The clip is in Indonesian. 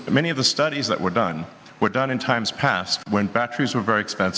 dan yang semua orang di ruang ini inginkan